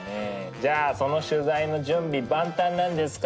じゃあその取材の準備万端なんですか？